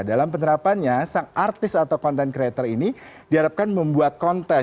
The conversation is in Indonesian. dalam penerapannya sang artis atau content creator ini diharapkan membuat konten